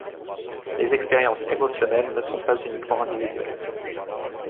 Les expériences émotionnelles ne sont pas uniquement individuelles.